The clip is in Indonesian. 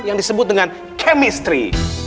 yang disebut dengan chemistry